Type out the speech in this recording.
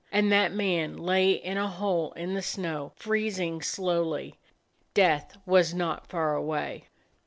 And that man lay in a hole in the snow, freezing slowly. Death was not far away.